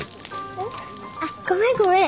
うん？あっごめんごめん。